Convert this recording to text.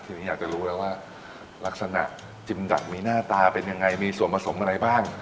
ทีนี้อยากจะรู้แล้วว่าลักษณะจิมดักมีหน้าตาเป็นยังไงมีส่วนผสมอะไรบ้าง